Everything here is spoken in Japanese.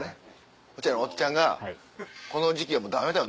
お茶屋のおっちゃんがこの時期はダメだよ